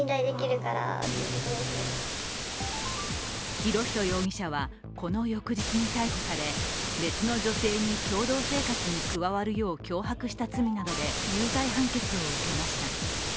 博仁容疑者はこの翌日に逮捕され別の女性に共同生活に加わるよう脅迫した罪などで有罪判決を受けました。